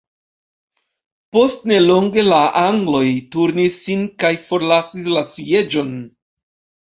Post nelonge la angloj turnis sin kaj forlasis la sieĝon.